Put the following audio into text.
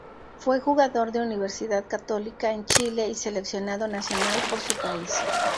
Fue jugador de Universidad Católica en Chile y seleccionado nacional por su país.